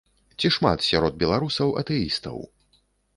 Ці шмат сярод беларусаў атэістаў?